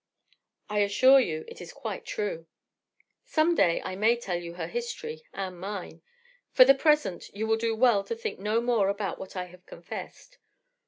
"I assure you, it is quite true. Some day I may tell you her history—and mine. For the present, you will do well to think no more about what I have confessed.